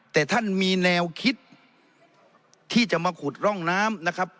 แต่ท่านมีแนวคิดที่จะมาขุดร่องน้ำนะครับ